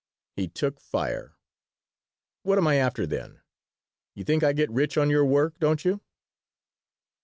He took fire. "What am I after, then? You think I get rich on your work, don't you?"